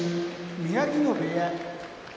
宮城野部屋